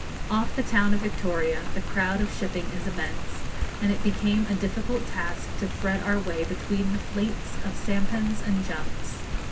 Off the town of Victoria the crowd of shipping is immense, and it became a difficult task to thread our way between the fleets of sampans and junks.